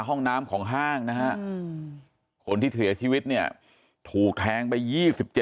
ห้องน้ำของห้างนะครับคนที่เผียชีวิตเนี่ยถูกแทงไป๒๗แผลนะครับ